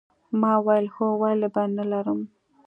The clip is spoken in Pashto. ما وویل هو ولې به نه لرم